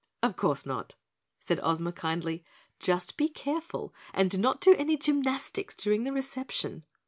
"Of course not," said Ozma kindly, "just be careful and do not do any gymnastics during the reception."